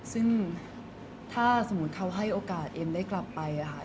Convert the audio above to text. ซึ่งถ้าสมมุติเขาให้โอกาสเอ็มได้กลับไปค่ะ